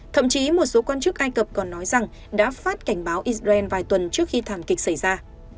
thậm chí một số quan chức ai cập còn nói rằng đã phát cảnh báo israel vài tuần trước khi thảm kịch xảy ra